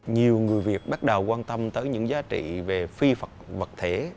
nhiều người việt bắt đầu quan tâm tới những giá trị về phi vật thể